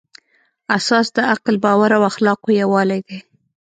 اساس د عقل، باور او اخلاقو یووالی دی.